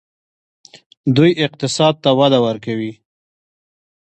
دوی اقتصاد ته وده ورکوي.